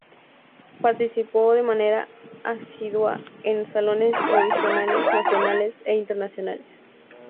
Participó de manera asidua en salones provinciales, nacionales e internacionales.